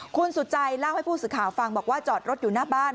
คุณสุจัยเล่าให้ผู้สื่อข่าวฟังบอกว่าจอดรถอยู่หน้าบ้าน